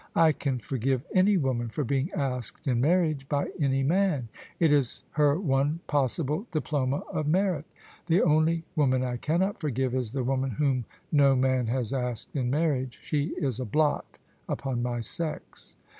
" I can forgive any woman for being asked in marriage by any man: it is her one possible diploma of merit. The only woman I cannot forgive is the woman whom no man has asked in marriage: she is a blot upon my sex."